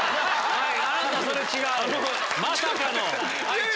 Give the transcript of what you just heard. はい。